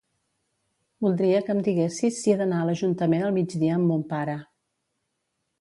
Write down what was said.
Voldria que em diguessis si he d'anar a l'ajuntament al migdia amb mon pare.